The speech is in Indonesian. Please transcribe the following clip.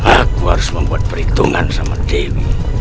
aku harus membuat perhitungan sama dewi